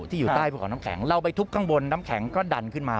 ที่อยู่ใต้ภูเขาน้ำแข็งเราไปทุบข้างบนน้ำแข็งก็ดันขึ้นมา